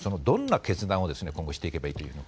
どんな決断を今後していけばいいと。